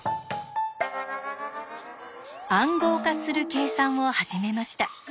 暗号化する計算を始めました。